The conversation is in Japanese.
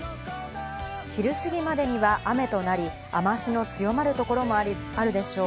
昼すぎまでには雨となり、雨脚の強まるところもあるでしょう。